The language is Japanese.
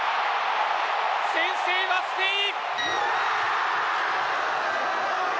先制はスペイン！